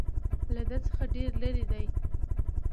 له ده څخه ډېر لرې دي.